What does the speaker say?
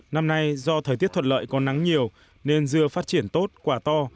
năm nay do thời tiết thuật lợi có nắng nhiều nên dưa phát triển tốt quả to